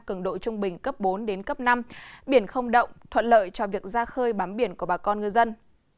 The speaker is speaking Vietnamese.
cấp năm biển không động thuận lợi cho việc ra khơi bám biển của bà con ngư dân